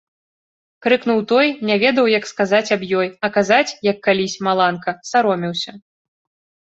— крыкнуў той, не ведаў, як сказаць аб ёй, а казаць, як калісь, Маланка — сароміўся.